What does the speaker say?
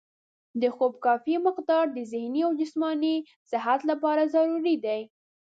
د خوب کافي مقدار د ذهني او جسماني صحت لپاره ضروري دی.